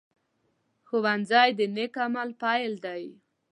ښوونځی د نیک عمل پيل دی